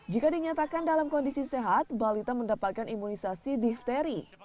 jika dinyatakan dalam kondisi sehat balita mendapatkan imunisasi difteri